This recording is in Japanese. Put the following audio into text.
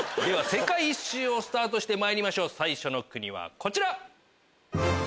世界一周をスタートしましょう最初の国はこちら。